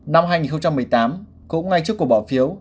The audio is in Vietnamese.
năm hai nghìn một mươi tám cũng ngay trước cuộc bỏ phiếu